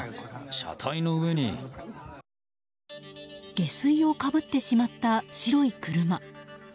下水をかぶってしまった白い車。